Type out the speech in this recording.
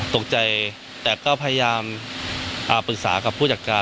ตกใจแต่ก็พยายามปรึกษากับผู้จัดการ